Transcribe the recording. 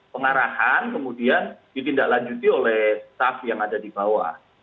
pengarahan kemudian ditindaklanjuti oleh staff yang ada di bawah